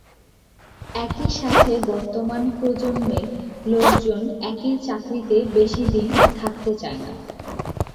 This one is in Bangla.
একইসাথে বর্তমান প্রজন্মের লোকজন একই চাকরিতে বেশিদিন থাকতে চায় না।